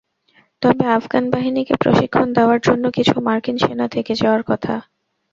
তবে আফগান বাহিনীকে প্রশিক্ষণ দেওয়ার জন্য কিছু মার্কিন সেনা থেকে যাওয়ার কথা।